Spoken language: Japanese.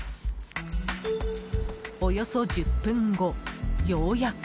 およそ１０分後、ようやく。